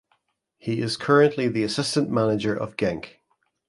He is currently the assistant manager of Genk.